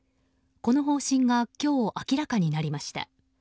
この方針が今日、明らかになりました。